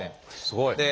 すごい！